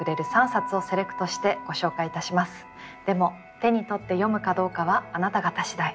でも手に取って読むかどうかはあなた方次第。